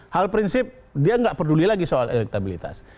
hal prinsip dia nggak peduli lagi soal elektabilitas